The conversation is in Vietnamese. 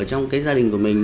trong cái gia đình của mình